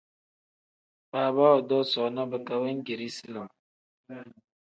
Baaba woodoo soona bika wengeeri lim.